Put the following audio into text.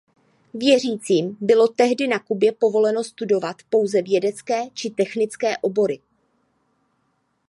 Věřícím bylo tehdy na Kubě povoleno studovat pouze vědecké či technické obory.